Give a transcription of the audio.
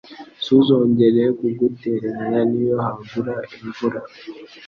Suzongera kugutererana niyo hagura imvura.